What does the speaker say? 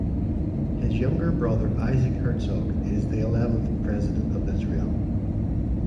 His younger brother Isaac Herzog is the eleventh President of Israel.